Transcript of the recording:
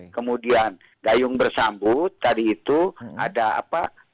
kemudian gayung bersambut tadi itu ada apa